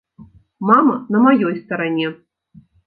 Мама на маёй старане.